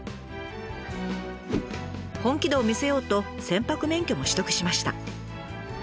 本気度を見せようと船舶免許も取得しました。